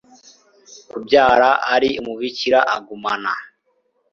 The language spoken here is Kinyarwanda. kubyara ari umubikira, agumana